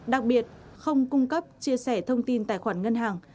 đặc biệt không cung cấp chia sẻ thông tin tài khoản ngân hàng